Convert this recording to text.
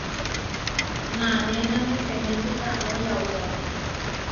Nanénane peniásika amó yauyó.